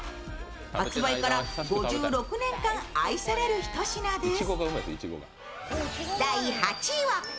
発売から５６年間愛される一品です。